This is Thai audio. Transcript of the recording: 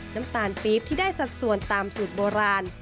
น้ำตาลปี๊บที่ได้สัดส่วนตามสูตรโบราณ